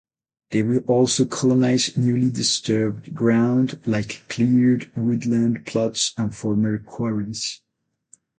They will also colonise newly disturbed ground like cleared woodland plots and former quarries.